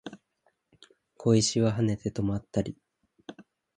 小石は跳ねて止まったり